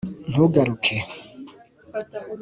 ntugaruke